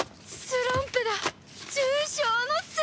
スランプ娘！